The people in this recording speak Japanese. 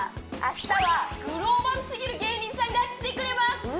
明日はグローバルすぎる芸人さんが来てくれます！